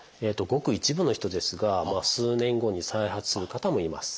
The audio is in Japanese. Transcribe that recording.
ごく一部の人ですが数年後に再発する方もいます。